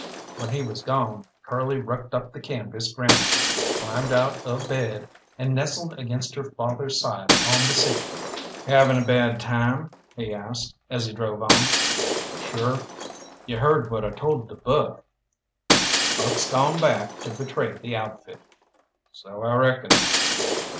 When he was gone, Curly rucked up the canvas ground sheet, climbed out of bed, and nestled against her father's side on the seat. "Havin' a bad time?" he asked, as he drove on. "Sure." "You heard what I told to Buck?" "Buck's gawn back to betray the outfit." "So I reckon."